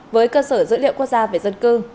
với cơ sở dữ liệu quốc gia về dân cư